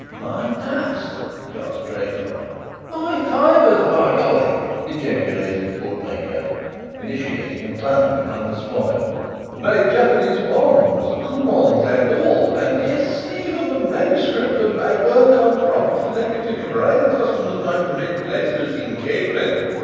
"My dust!" gasped Draycott. "My fivers, by golly!" ejaculated the bookmaker, initiating a plunge among the spoil. "My Japanese bonds, coupons and all, and yes, even the manuscript of my work on 'Polyphyletic Bridal Customs among the mid Pleistocene Cave Men.'